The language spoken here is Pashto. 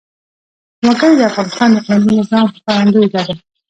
وګړي د افغانستان د اقلیمي نظام ښکارندوی ده.